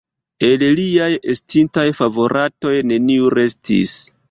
El liaj estintaj favoratoj neniu restis.